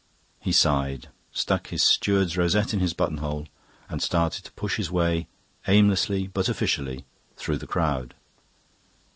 He sighed, stuck his steward's rosette in his buttonhole, and started to push his way, aimlessly but officially, through the crowd.